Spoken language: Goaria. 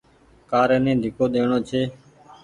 ڪآري ني ڍيڪو ڏيڻو ڇي۔